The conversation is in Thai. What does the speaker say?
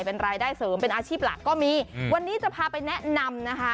เป็นรายได้เสริมเป็นอาชีพหลักก็มีวันนี้จะพาไปแนะนำนะคะ